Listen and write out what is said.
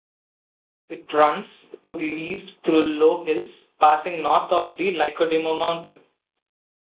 It runs to the east through low hills, passing north of the Lykodimo mountain.